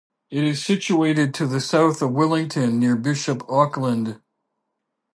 It is situated to the south of Willington, near Bishop Auckland.